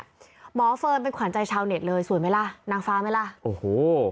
หมอเฟิร์นเป็นขวัญใจชาวเน็ตเลยสวยไหมล่ะนางฟ้าไหมล่ะโอ้โห